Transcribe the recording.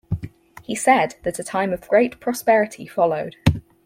He said that a time of great prosperity followed.